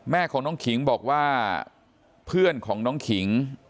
แม่ของน้องขิงบอกว่าเพื่อนของน้องขิง